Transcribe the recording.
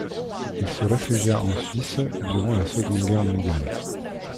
Il se réfugia en Suisse durant la Seconde Guerre mondiale.